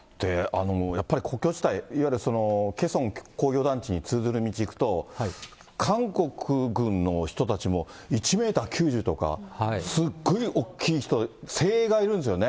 やっぱり国境地帯、いわゆるケソン工業団地に通ずる道に行くと、韓国軍の人たちも１メーター９０とか、すっごい大きい人、精鋭がいるんですよね。